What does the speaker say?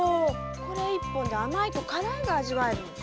これ一本で甘いと辛いが味わえるのか。